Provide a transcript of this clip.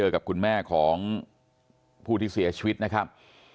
กับคุณแม่ของผู้ที่เสียชีวิตนะครับ